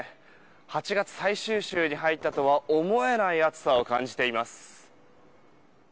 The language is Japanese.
８月最終週に入ったとは思えない暑さを感じています。